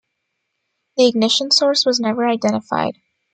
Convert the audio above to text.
The ignition source was never identified.